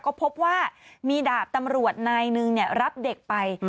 ก็พบว่ามีดาบตำรวจนายหนึ่งรับเด็กไป